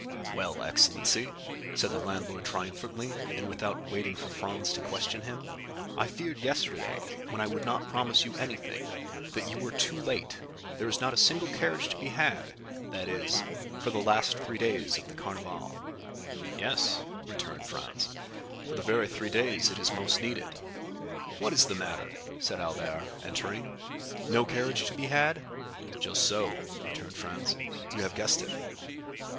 "Well, excellency," said the landlord triumphantly, and without waiting for Franz to question him, "I feared yesterday, when I would not promise you anything, that you were too late—there is not a single carriage to be had—that is, for the three last days" "Yes," returned Franz, "for the very three days it is most needed." "What is the matter?" said Albert, entering; "no carriage to be had?" "Just so," returned Franz, "you have guessed it."